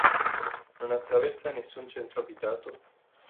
Non attraversa nessun centro abitato.